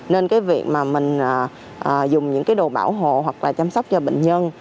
nên cái việc mà mình dùng những cái đồ bảo hộ hoặc là chăm sóc cho bệnh nhân